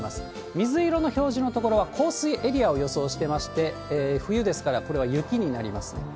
水色の表示の所は降水エリアを予想していまして、冬ですから、これは雪になりますね。